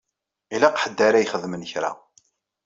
Ilaq ḥedd ara ixedmen kra.